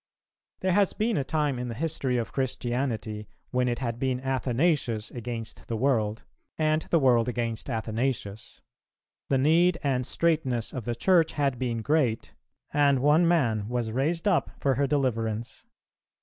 There has been a time in the history of Christianity, when it had been Athanasius against the world, and the world against Athanasius. The need and straitness of the Church had been great, and one man was raised up for her deliverance.